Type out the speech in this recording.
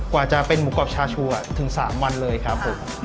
กว่าจะเป็นหมูกรอบชาชูถึง๓วันเลยครับผม